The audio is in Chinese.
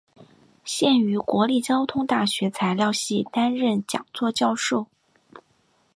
现于国立交通大学材料系担任讲座教授。